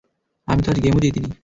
আমি তো আজ গেম ও জিতিনি।